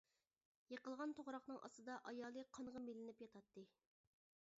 يىقىلغان توغراقنىڭ ئاستىدا ئايالى قانغا مىلىنىپ ياتاتتى.